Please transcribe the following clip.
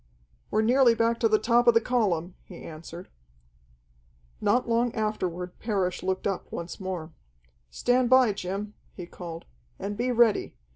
"We're nearly back to the top of the column," he answered. Not long afterward Parrish looked up once more. "Stand by, Jim!" he called. "And be ready.